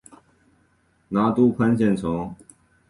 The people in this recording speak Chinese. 拿督潘健成